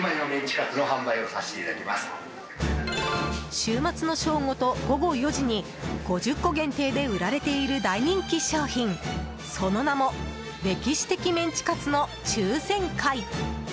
週末の正午と午後４時に５０個限定で売られている大人気商品、その名も歴史的メンチカツの抽選会。